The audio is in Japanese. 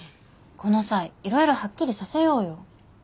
この際いろいろはっきりさせようよ。